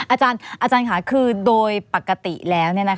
อาจารย์อาจารย์ค่ะคือโดยปกติแล้วเนี่ยนะคะ